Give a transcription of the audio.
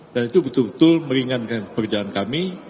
dan itu betul betul meringankan pekerjaan kami